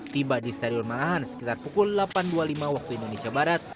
tiba di stadion manahan sekitar pukul delapan dua puluh lima waktu indonesia barat